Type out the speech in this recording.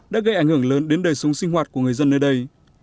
đã gây ảnh hưởng lớn đến đời sống sinh hoạt của người dân nơi đây